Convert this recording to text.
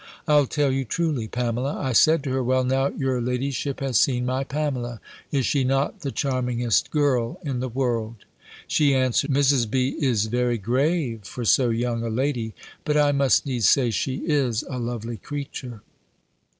"I'll tell you, truly, Pamela: I said to her, 'Well, now your ladyship has seen my Pamela Is she not the charmingest girl in the world?' "She answered 'Mrs. B. is very grave, for so young a lady; but I must needs say she is a lovely creature.'"